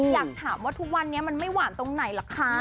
อยากถามว่าทุกวันนี้มันไม่หวานตรงไหนล่ะคะ